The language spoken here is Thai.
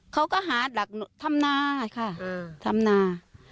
เขาก็หาหลักทำนาค่ะทำนา